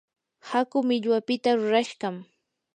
hakuu millwapita rurashqam.